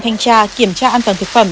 thanh tra kiểm tra an toàn thực phẩm